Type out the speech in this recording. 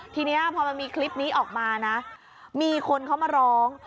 ทีนี้พอมันมีคลิปนี้ออกมานะมีคนเขามาร้อง